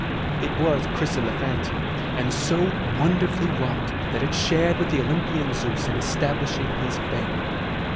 It was chryselephantine, and so wonderfully wrought that it shared with the Olympian Zeus in establishing his fame.